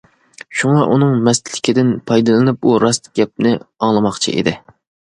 شۇڭا ئۇنىڭ مەستلىكىدىن پايدىلىنىپ ئۇ راست گەپنى ئاڭلىماقچى ئىدى.